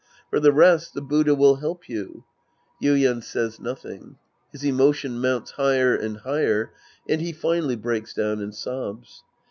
For the rest, the Buddha will help you. (Yuien says nothing. His emotion mounts higher and higher, and he finally breaks down and sobs.)